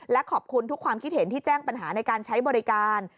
และขอบคุณทุกความคิดเห็นที่แจ้งปัญหาในการใช้บริการ